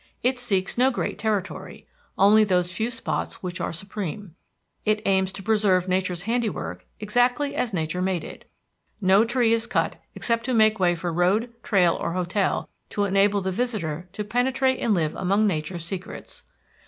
It seeks no great territory only those few spots which are supreme. It aims to preserve nature's handiwork exactly as nature made it. No tree is cut except to make way for road, trail or hotel to enable the visitor to penetrate and live among nature's secrets.